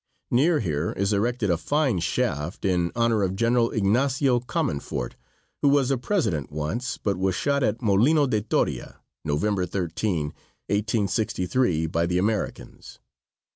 Near here is erected a fine shaft in honor of General Ignacio Comonfort, who was a President once, but was shot at Molino de Toria, November 13, 1863, by the Americans.